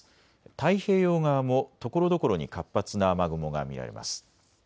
太平洋側もところどころに活発な雨雲が見られます。